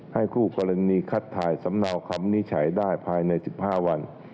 คู่กรณีคัดถ่ายสำเนาคำวินิจฉัยได้ภายใน๑๕วัน